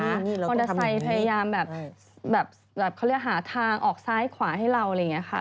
มอเตอร์ไซค์พยายามแบบเขาเรียกหาทางออกซ้ายขวาให้เราอะไรอย่างนี้ค่ะ